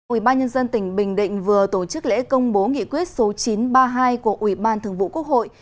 ủy ban nhân dân tỉnh bình định vừa tổ chức lễ công bố nghị quyết số chín trăm ba mươi hai của ủy ban thường vụ quốc hội